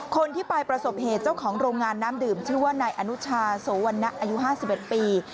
คนที่ไปประสบเหตุเจ้าของโรงงานน้ำดื่มชื่อว่านายอนุชาโสวรรณะอายุ๕๑ปี